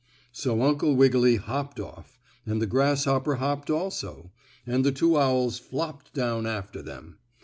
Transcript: So Uncle Wiggily hopped off, and the grasshopper hopped also, and the two owls flopped down after them.